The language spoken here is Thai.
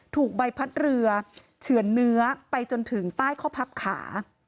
ถูกใบพัดเรือเฉือนเนื้อไปจนถึงใต้ข้อพับขา